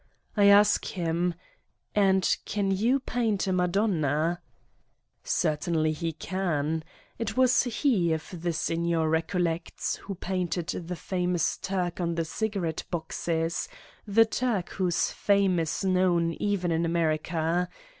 I ask him : "And can you paint a Madonna?" Certainly he can. It was he, if the signor recol lects, who painted the famous Turk on the cigar ette boxes, the Turk whose fame is known even in America.